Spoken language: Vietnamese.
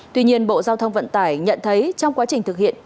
tuy nhiên bộ giao thông vận tải nhận thấy trong quá trình thực hiện